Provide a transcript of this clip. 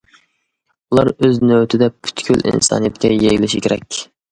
بۇلار ئۆز نۆۋىتىدە پۈتكۈل ئىنسانىيەتكە يېيىلىشى كېرەك.